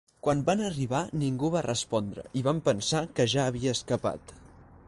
Quan van arribar ningú va respondre i van pensar que ja havia escapat.